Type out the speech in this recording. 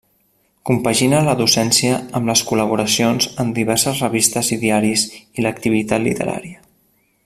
Compagina la docència amb les col·laboracions en diverses revistes i diaris i l'activitat literària.